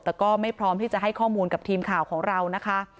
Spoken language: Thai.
แต่ก็ไม่พร้อมที่จะให้ข้อมูลกับทีมข่าวของเรานะคะ